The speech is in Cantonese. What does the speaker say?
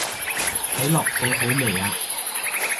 睇落好好味啊